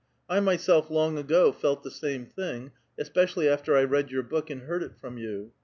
1 myself long ago felt the same thing, espe cially after I read your book and heard it from you.